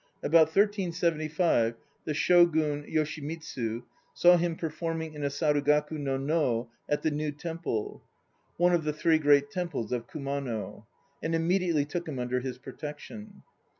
About 1375 the Shogun Yoshimitsu saw him performing in a Sarugaku no it the New Temple (one of the three great temples of Kumano) and immediately took him under his protection.